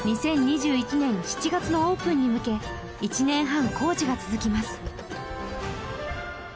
２０２１年７月のオープンに向け１年半工事が続きます